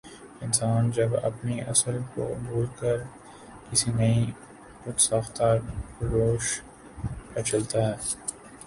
انسان جب اپنی اصل کو بھول کر کسی نئی خو د ساختہ روش پرچلتا ہے